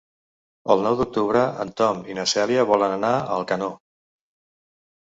El nou d'octubre en Tom i na Cèlia volen anar a Alcanó.